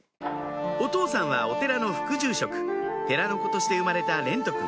お父さんはお寺の副住職寺の子として生まれた蓮和くん